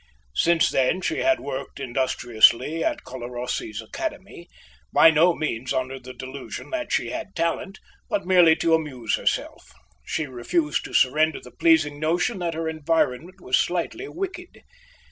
Since then she had worked industriously at Colarossi's Academy, by no means under the delusion that she had talent, but merely to amuse herself. She refused to surrender the pleasing notion that her environment was slightly wicked.